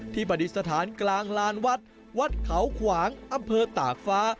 ปฏิสถานกลางลานวัดวัดเขาขวางอำเภอตากฟ้า